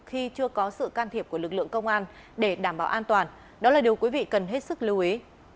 khi chưa có sự can thiệp của lực lượng công an để đảm bảo an toàn đó là điều quý vị cần hết sức lưu ý